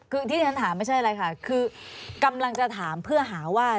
คือที่ฉันถามไม่ใช่อะไรค่ะคือกำลังจะถามเพื่อหาว่า